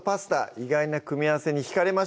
意外な組み合わせにひかれました